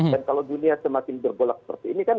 dan kalau dunia semakin berbolak seperti ini kan